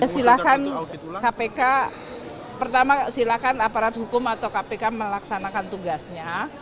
silahkan kpk pertama silahkan aparat hukum atau kpk melaksanakan tugasnya